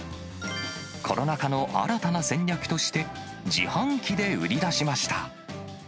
コロナ禍の新たな戦略として、自販機で売り出しました。